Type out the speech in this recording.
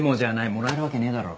もらえるわけねえだろ。